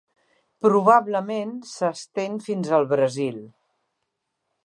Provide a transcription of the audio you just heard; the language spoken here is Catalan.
Probablement s'estén fins al Brasil.